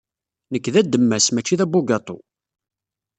Nekk d ademmas, maci d abugaṭu.